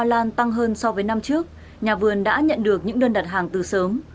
hoa lan tăng hơn so với năm trước nhà vườn đã nhận được những đơn đặt hàng từ sớm